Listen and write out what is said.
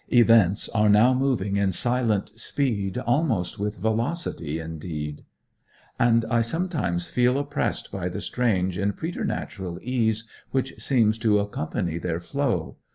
Events are now moving in silent speed, almost with velocity, indeed; and I sometimes feel oppressed by the strange and preternatural ease which seems to accompany their flow.